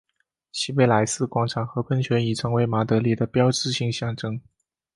西贝莱斯广场和喷泉已成为马德里的标志性象征。